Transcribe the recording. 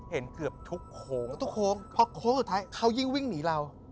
เห็นเกือบทุกโค้งเพราะโค้งตอนสุดท้ายเค้ายิ่งวิ่งหนีเรา